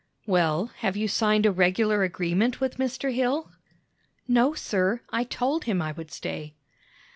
"Well, have you signed a regular agreement with Mr. Hill?" "No, sir; I told him I would stay."